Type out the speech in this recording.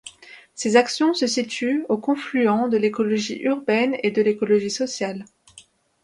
Ces actions se situent au confluent de l'écologie urbaine et de l'écologie sociale.